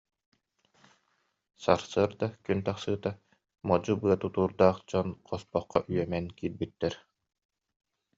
Сарсыарда күн тахсыыта, модьу быа тутуурдаах дьон хоспоххо үөмэн киирбиттэр